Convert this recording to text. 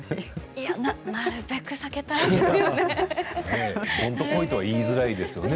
なるべく避けたいですね。